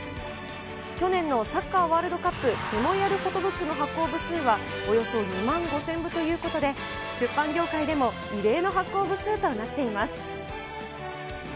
去年のサッカーワールドカップメモリアルフォトブックの発行部数はおよそ２万５０００部ということで、出版業界でも異例の発行部数となっています。